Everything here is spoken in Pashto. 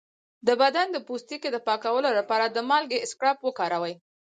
د بدن د پوستکي د پاکولو لپاره د مالګې اسکراب وکاروئ